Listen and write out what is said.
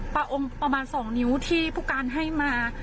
ประองประมาณสองนิ้วที่ผู้การให้มา